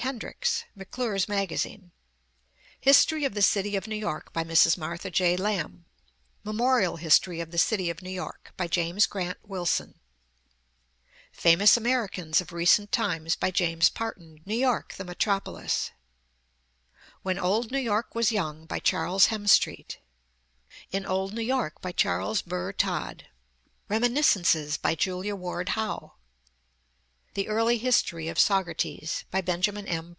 Hendricks, McClure's Magazine; History of the City of New York, by Mrs. Martha J. Lamb ; Memorial His tory of the City of New York, by James Grant Wilson ; Famous Americans of Recent Times, by James Parton ; New York, the Metropolis; When Old New York was Young, by Charles Hemstreet; In Olde New York, by Charles Burr Todd; Reminiscences, by Julia Ward Howe; The Early History of Saugerties, by Benjamin M.